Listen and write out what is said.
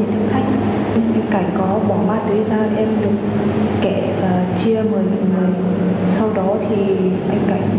mà có bỏ ma túy ra em được kẹo và chia một mươi người sau đó thì anh cảnh đưa cho em lượng kẹo em có được sử dụng